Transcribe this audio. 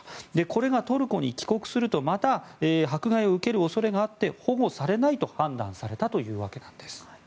これがトルコに帰国するとまた迫害を受ける恐れがあって保護されないと判断されたというわけなんです。